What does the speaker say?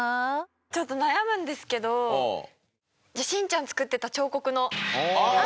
ちょっと悩むんですけどしんちゃん作ってた彫刻の方で。